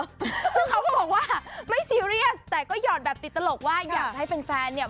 ซึ่งเขาก็บอกว่าไม่ซีเรียสแต่ก็หยอดแบบติดตลกว่าอยากให้แฟนเนี่ย